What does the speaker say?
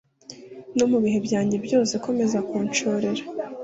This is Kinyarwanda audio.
No mu bihe byanjye byose komeza kunshorera